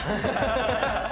ハハハハ！